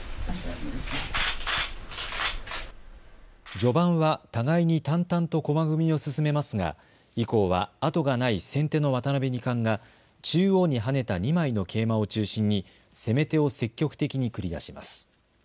序盤は互いに淡々と駒組みを進めますが以降は後がない先手の渡辺二冠が中央に跳ねた２枚の桂馬を中心に攻め手を積極的に繰り出します。